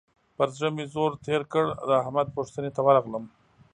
پر زړه مې زور تېر کړ؛ د احمد پوښتنې ته ورغلم.